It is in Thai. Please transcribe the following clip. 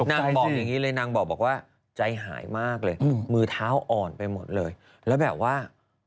นางบอกอย่างนี้เลยนางบอกว่าใจหายมากเลยมือเท้าอ่อนไปหมดเลยแล้วแบบว่า